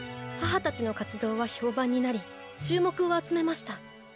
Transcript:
母たちの活動は評判になり注目を集めました。